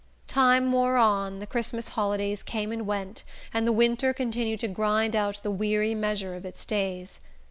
Time wore on, the Christmas holidays came and went, and the winter continued to grind out the weary measure of its days.